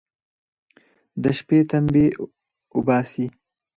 د شپې تمبې اوباسي.